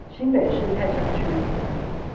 新北市泰山區